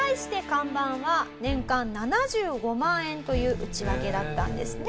看板は年間７５万円という内訳だったんですね。